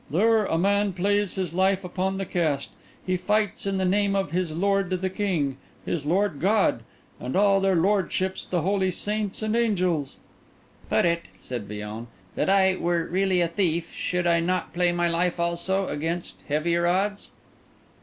"There a man plays his life upon the cast; he fights in the name of his lord the king, his Lord God, and all their lordships the holy saints and angels." "Put it," said Villon, "that I were really a thief, should I not play my life also, and against heavier odds?"